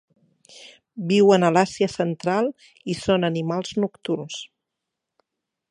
Viuen a l'Àsia Central i són animals nocturns.